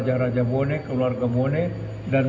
melambangkan empat buah tiang yang berdiri